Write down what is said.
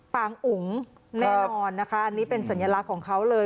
งอุ๋งแน่นอนนะคะอันนี้เป็นสัญลักษณ์ของเขาเลย